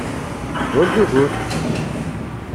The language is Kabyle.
Ur d ugur!